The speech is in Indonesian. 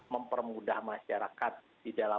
mempermudah masyarakat di dalam